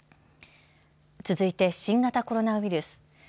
続いて新型コロナウイルス。